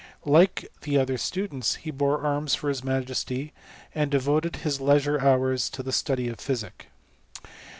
like the other students, he bore arms for his Majesty, and devoted his leisure hours to the study of physic.